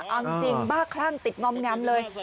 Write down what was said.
เอาจริงบ้าคลั่งติดงอมงำเลย